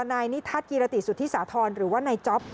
นายนิทัศน์กิรติสุธิสาธรณ์หรือว่านายจ๊อป